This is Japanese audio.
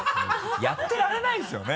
やってられないですよね？